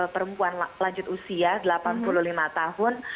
perempuan lanjut usia delapan puluh lima tahun